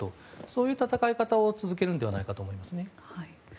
そういう戦い方を続けるのではないかと思いますね。